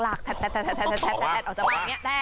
ออกจากแบบนี้